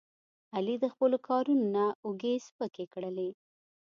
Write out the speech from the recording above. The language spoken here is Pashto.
علي د خپلو کارونو نه اوږې سپکې کړلې.